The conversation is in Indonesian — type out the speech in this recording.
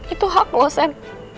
itu hak lo sam